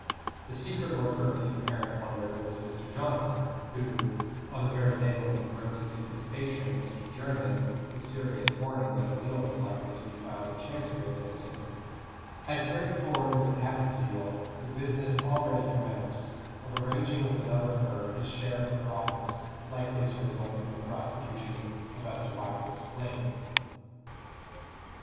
The secret worker of the apparent wonder was Mr. Johnson, who, on the very day when he wrote to give his patron, Mr. Jermyn, the serious warning that a bill was likely to be filed in Chancery against him, had carried forward with added zeal the business already commenced, of arranging with another firm his share in the profits likely to result from the prosecution of Esther Bycliffe's claim.